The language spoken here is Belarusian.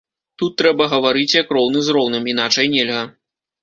Тут трэба гаварыць як роўны з роўным, іначай нельга.